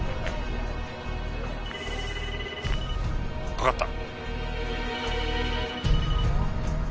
かかった。